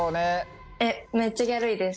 えっめっちゃぎゃるいです。